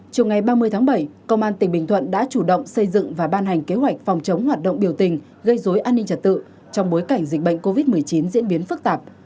trong ngày ba mươi tháng bảy công an tỉnh bình thuận đã chủ động xây dựng và ban hành kế hoạch phòng chống hoạt động biểu tình gây dối an ninh trật tự trong bối cảnh dịch bệnh covid một mươi chín diễn biến phức tạp